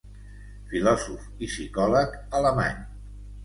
Filòsof i psicòleg alemany.